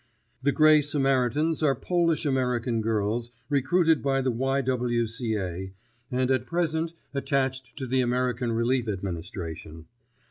The Gray Samaritans are Polish American girls, recruited by the Y. W. C. A. and at present attached to the American Relief Administration.